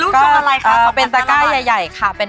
ก็เป็นตะก้ายใหญ่ค่ะ